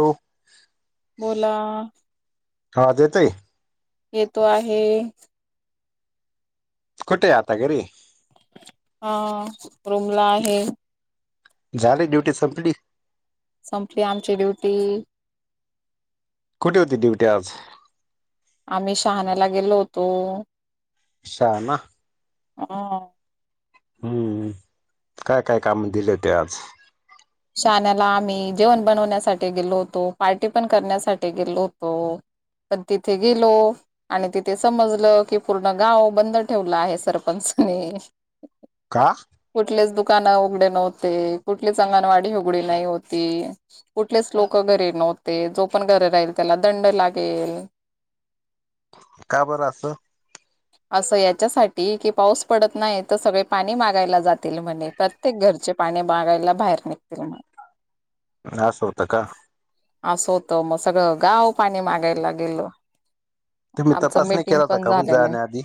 हो बोला हा देत येतो आहे कुठे या आता घ ररी हा रुमला आहे झालेड्युटी संपली संपली आमची ड्युटी कुठे होती ्युटी आज आम्ही शहाण्याला गेलो होतो. शहाणा! हां! हम्म काय काय काम दिले हो ते आज - शाण्याला आम्ही जेवण बनवण्यासाठी गेलो होतो पार्टी पण करण्यासाठी गेलो होतो. पण तिथे गेलो. आणि तिथे समजलं की पूर्ण गाव बंद ठेवलं आहे सरपंचनी - काहा कुठलेच दुकान उघडे नव्हते कुठलीच अंगणवाडी उघडी नाही हो्हती कुठलेच लोक घरी नव्हते जो पण घरी राहील त्याला दंड लागेल का बरं असतं असं याच्यासाठी की पाऊस पडत नाही तर सगळे पाणी मागायला जाते म्हणे प्रत्येक घरचे पाणी बगायला बाहेर निघतील म्हणे ह स होता का असं होतं मग सगळं गाव पाणी मागायला गेल आमचं मीटिंग पण झाले नाही कदी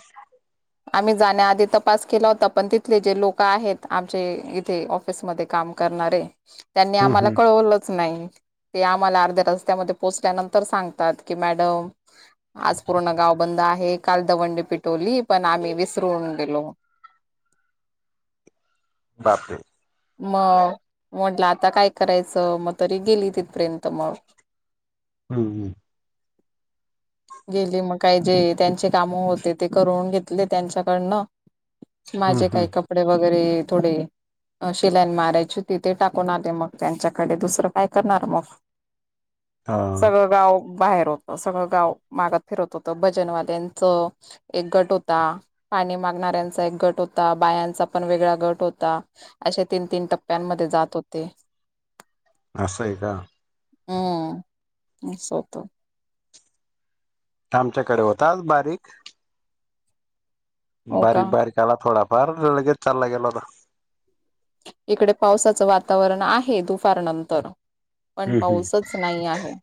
आम्ही जाण्याआधी तपास केला होता पण तिथले जे लोक आहेत आमचे इथे ऑफिसमध्ये काम करणारे त्यांनी हम्म आम्हाला हम्म कळवलंच नाही ते आम्हाला अर्ध्या रस्त्यामध्ये पोहोचल्यानंतर सांगतात की मॅडम आज पूर्ण गाव बंद आहे काल दवंडी पिटोली पण आम्ही विसरून गेलो बापे मग म्हटलं आता काय करायचं मग तरी गेली तिथपर्यंत मग हम्म हम्म गेली मग काही जे त्यांचे कामं होते ते करून घेतले त्यांच्याकडनं हम्म माझे हम्म काही कपडे वगैरे थोडे शिलाईन मारायची तिथे टाकून आले मग त्यांच्याकडे दुसरं काय करणार मग हा सगळं गाव बाहेर होत सगळं गाव मागात फिरत होत भजनवाल्याच एक गट होता पाणी मागणाऱ्यांचा एक गट होता बायांचा पण वेगळा गट होता अशे तीन तीन टप्प्यांमध्ये जात होते असंय का हम्मसत आमच्याकडे होता आज बारीक हो बारीक का बारीक आला थोडाफार लगेच चालला गेल होता इकडे पावसाचं वातावरण आहे दुपारनंतर पण हम्म हम्म पाऊसच नाही आहे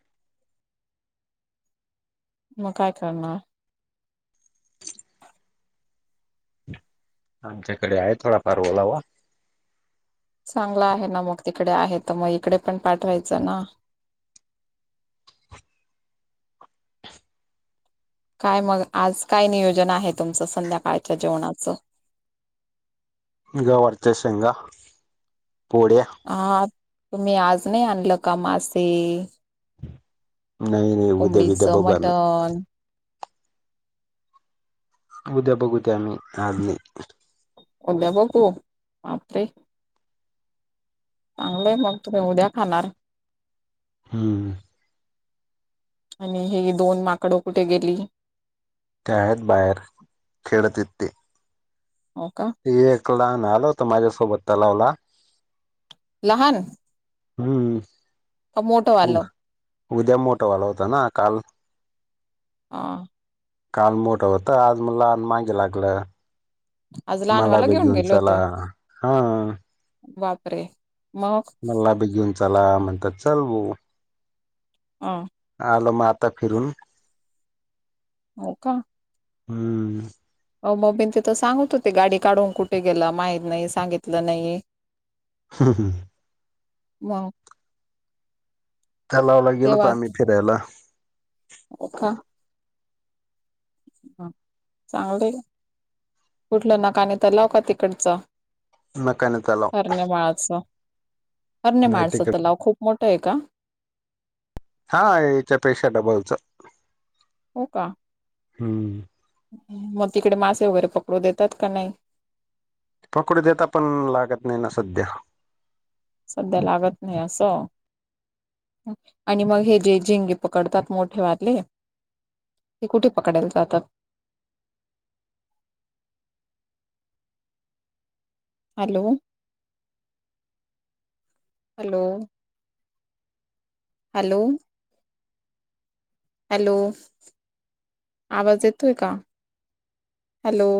मग काय करणार आमच्याकडे आहे थोडाफार ओलावा चांगला आहे ना मग तिकडे आहे तर मग इकडे पण पाठवायचं ना काय मग आज काय नियोजन आहे तुमचं संध्याकाळच्या जेवणाचं गवर्तशंग पोढ्या हा तुम्ही आज नाही आणलं का मासे नाही नाही उद्या बिद्या कोंबडीचं बघू आम्ही मटण उद्या बघूत्या आम्ही आज नाही ओद्या बघू मते चांगलंय मग तुे उद्या खाणार हा आणि हे दोन माकडं कुठे गेली त्याळ बाहेर खेळत येत ते हो का ते एक लहान आलो तर माझ्यासोबत तलावला लहान हम्म टमोटो उ आलो उद्या मोठा वाला होता ना काल ह काल मोठं होतं आज मुला मागे लागलं आज मला लहानवाला बी घेऊन चला हा वापरे मल्ला बी घेऊन ला म्हणतात चचाल बो ह आलो मग आता फिरून हो का हम्म हो मग मीन तिथं सांगत होते गाडी काढून कुठे गेला माहीत नाही सांगितलं नाही हा हा वा त्या लावला गेलो तर आम्ही फिरायला अ काा चांगलं कुठलं नाका आणि तर लाव का तिकडचं नकाने तलाव हरणेमाळाच नाही हरणेमाळच तिकडे तलाव खूप मोठं आहे का हा याच्यापेक्षा डबलच हो का हम्म मग तिकडे मासे वगैरे पकडू देतात का नाही पकोड देता पण लागत नाही ना सध्या सध्या लागत नाही असं आणि मग हे जे झिंगे पकडतात मोठे वाटले ते कुठे पकडायला जातात हॅलो हॅलो हॅलो हॅलो आवाज येतोय का हॅलो